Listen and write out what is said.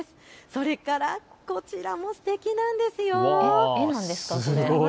それから、こちらもすてきなんですよ。